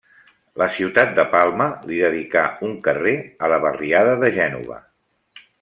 La ciutat de Palma li dedicà un carrer a la barriada de Gènova.